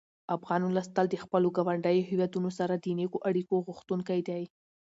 افغان ولس تل د خپلو ګاونډیو هېوادونو سره د نېکو اړیکو غوښتونکی دی.